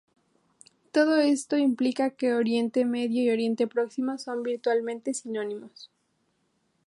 Todo esto implica que Oriente Medio y Oriente Próximo son virtualmente sinónimos.